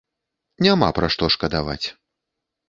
Няма пра што шкадаваць.